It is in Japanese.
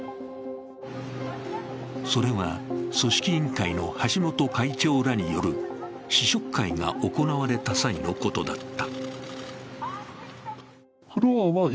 それは組織委員会の橋本会長らによる試食会が行われた際のことだった。